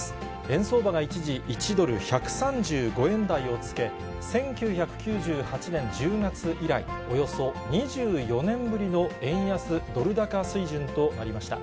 円相場が一時、１ドル１３５円台をつけ、１９９８年１０月以来、およそ２４年ぶりの円安ドル高水準となりました。